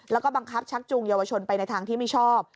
แล้วก็บังคับชักจูงเยาวชนไปในทางที่ไม่ชอบ